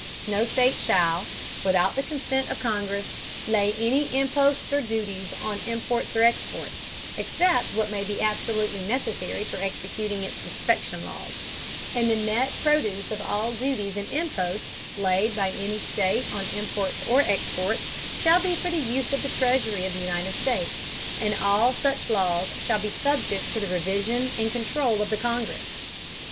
No State shall, without the Consent of the Congress, lay any Imposts or Duties on Imports or Exports, except what may be absolutely necessary for executing its inspection Laws: and the net Produce of all Duties and Imposts, laid by any State on Imports or Exports, shall be for the Use of the Treasury of the United States; and all such Laws shall be subject to the Revision and Controul of the Congress.